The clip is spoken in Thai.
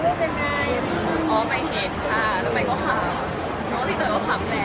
เครื่องการนี้ก็ไม่ดีกับคนยอดภัณฑ์